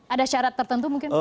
ada syarat tertentu mungkin